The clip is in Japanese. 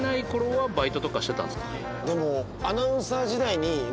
でも。